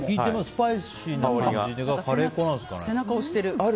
スパイシーな香りがカレー粉なんですかね。